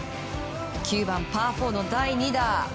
９番、パー４の第２打。